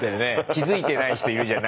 気付いてない人いるじゃん。